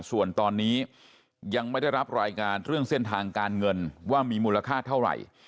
ส่วนตอนนี้ยังไม่ได้รับรายงานเรื่องเส้นทางการเงินว่ามีมูลค่าเท่าไหร่